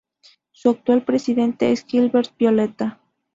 Su actual presidente es Gilbert Violeta.